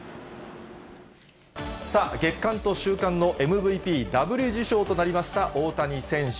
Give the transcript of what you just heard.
さあ、月間と週間のＭＶＰダブル受賞となりました大谷選手。